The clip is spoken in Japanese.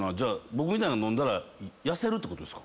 僕みたいなの飲んだら痩せるってことですか？